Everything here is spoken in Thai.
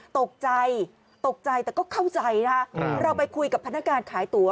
ตกใจตกใจแต่ก็เข้าใจนะคะเราไปคุยกับพนักงานขายตั๋ว